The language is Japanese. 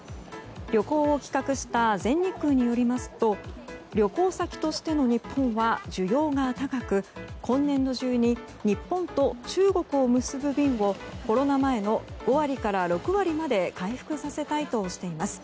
旅行を企画した全日空によりますと旅行先としての日本は需要が高く今年度中に日本と中国を結ぶ便をコロナ前の５割から６割まで回復させたいとしています。